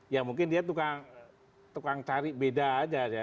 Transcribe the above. ya mungkin dia tukang cari beda aja